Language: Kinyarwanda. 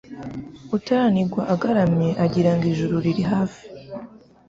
Utaranigwa agaramye agira ngo ijuru riri hafi